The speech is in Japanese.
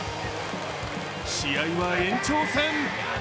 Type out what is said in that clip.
試合は延長戦。